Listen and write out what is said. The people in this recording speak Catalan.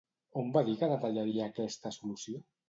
On va dir que detallaria aquesta solució?